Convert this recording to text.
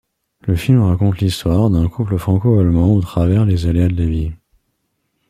Le film raconte l'histoire d'un couple franco-allemand au travers les aléas de la vie.